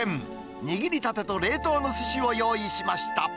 握りたてと冷凍のすしを用意しました。